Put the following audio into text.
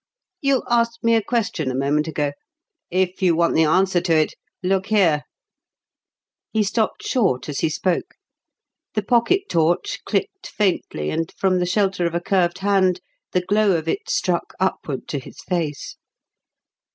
You asked me a question a moment ago. If you want the answer to it look here." He stopped short as he spoke; the pocket torch clicked faintly and from the shelter of a curved hand, the glow of it struck upward to his face.